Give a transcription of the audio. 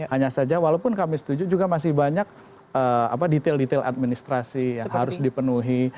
hanya saja walaupun kami setuju juga masih banyak detail detail administrasi yang harus dipenuhi